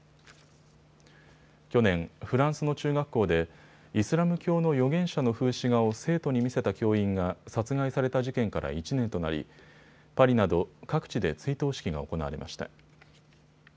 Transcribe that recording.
去年、フランスの中学校でイスラム教の預言者の風刺画を生徒に見せた教員が殺害された事件から１年となりパリなど各地で追悼式が行われました。